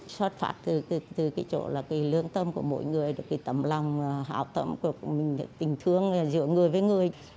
xuất phát từ cái chỗ lương tâm của mỗi người tâm lòng hào tâm của mình tình thương giữa người với người